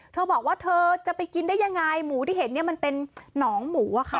เธอบอกว่าเธอจะไปกินได้ยังไงหมูที่เห็นเนี่ยมันเป็นหนองหมูอะค่ะ